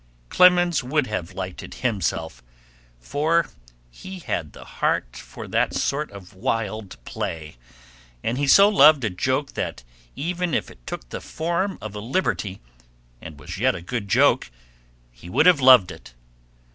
Clemens would have liked it himself, for he had the heart for that sort of wild play, and he so loved a joke that even if it took the form of a liberty, and was yet a good joke, he would have loved it.